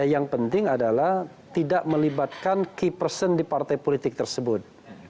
yang penting adalah tidak melibatkan key person di partai politik tersebut